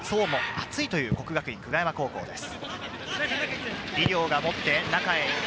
層も厚いという國學院久我山高校です。